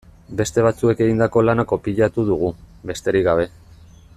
Beste batzuek egindako lana kopiatu dugu, besterik gabe.